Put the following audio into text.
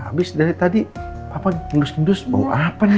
habis dari tadi papa ngendus ngendus mau apa nih